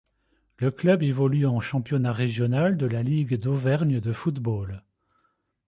Le club évolue en championnat régional de la Ligue d'Auvergne de football.